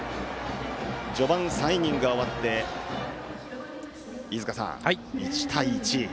序盤３イニングが終わって飯塚さん、１対１。